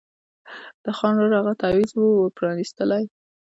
د خان ورور هغه تعویذ وو پرانیستلی